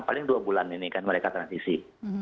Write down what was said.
paling dua bulan ini kan mereka transisi